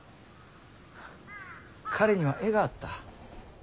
彼には絵があった。